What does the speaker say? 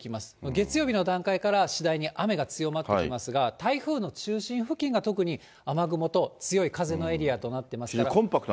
月曜日の段階から次第に雨が強まってきますが、台風の中心付近が特に雨雲と強い風のエリアとなってますから。